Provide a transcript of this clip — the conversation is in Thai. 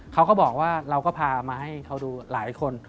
เขาก็บอกว่าเราก็พามาให้เขาดูหลายคน